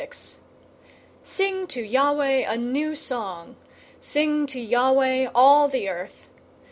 096:001 Sing to Yahweh a new song! Sing to Yahweh, all the earth.